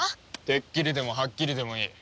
てっきりでもはっきりでもいい。